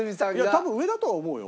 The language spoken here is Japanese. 多分上だとは思うよ。